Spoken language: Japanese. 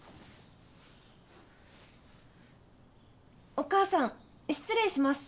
お母さん失礼します。